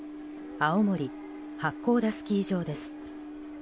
青森・八甲田スキー場です。